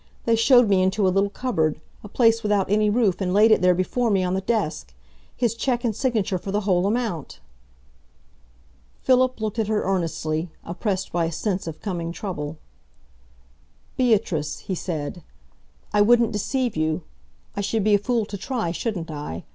They showed me into a little cupboard, a place without any roof, and laid it there before me on the desk his cheque and signature for the whole amount." Philip looked at her earnestly, oppressed by a sense of coming trouble. "Beatrice," he said, "I wouldn't deceive you. I should be a fool to try, shouldn't I?